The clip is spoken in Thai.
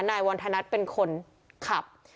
นายวันธนัทเป็นคนขับ